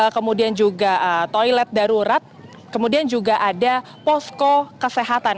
kemudian juga toilet darurat kemudian juga ada posko kesehatan